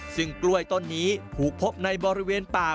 ซึ่งกล้วยต้นนี้ถูกพบในบริเวณป่า